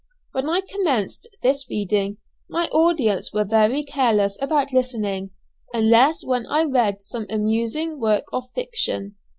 When I commenced this reading, my audience were very careless about listening, unless when I read some amusing work of fiction.